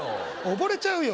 溺れちゃうよ